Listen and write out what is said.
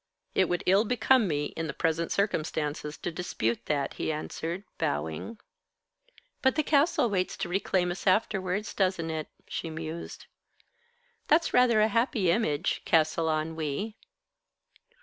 "It would ill become me, in the present circumstances, to dispute that," he answered, bowing. "But the castle waits to reclaim us afterwards, doesn't it?" she mused. "That's rather a happy image, Castle Ennui."